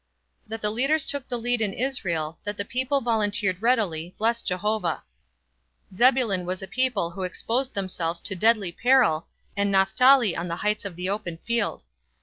That the leaders took the lead in Israel, That the people volunteered readily, Bless Jehovah! Zebulun was a people who exposed themselves to deadly peril, And Naphtali on the heights of the open field.